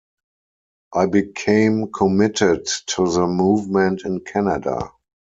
I became committed to the movement in Canada.